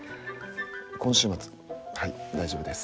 今週末はい大丈夫です。